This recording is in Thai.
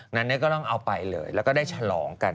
นั้นก็ต้องเอาไปเลยแล้วก็ได้ฉลองกัน